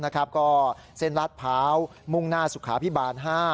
ก็เส้นลาดพร้าวมุ่งหน้าสุขาพิบาล๕